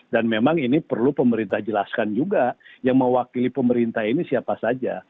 dan memang ini perlu pemerintah jelaskan juga yang mewakili pemerintah ini siapa saja